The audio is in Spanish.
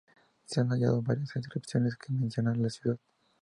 Se han hallado varias inscripciones que mencionan la ciudad.